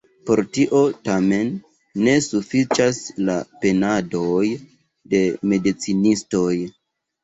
Por tio, tamen, ne sufiĉas la penadoj de medicinistoj.